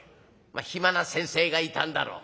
「暇な先生がいたんだろう。